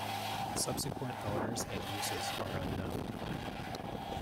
Subsequent owners and uses are unknown.